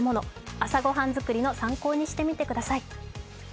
朝御飯作りの参考にしてみてください。